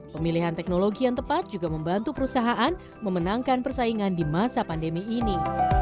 pemilihan teknologi yang tepat juga membantu perusahaan memenangkan persaingan di masa pandemi ini